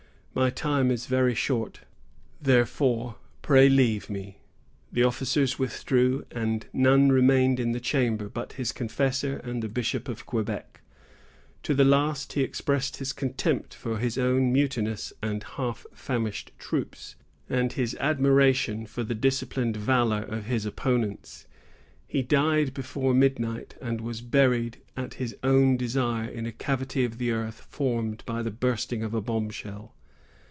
My time is very short; therefore, pray leave me." The officers withdrew, and none remained in the chamber but his confessor and the Bishop of Quebec. To the last, he expressed his contempt for his own mutinous and half famished troops, and his admiration for the disciplined valor of his opponents. He died before midnight, and was buried at his own desire in a cavity of the earth formed by the bursting of a bombshell.